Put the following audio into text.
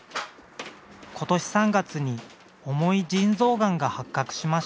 今年３月に重い腎臓がんが発覚しました。